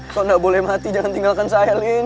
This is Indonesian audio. kau gak boleh mati jangan tinggalkan saya lin